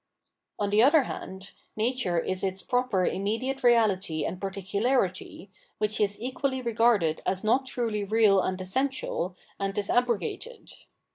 On the other hand, nature is its proper immediate reality and particularity, which is equally regarded as not truly real and essential, and is abrogated.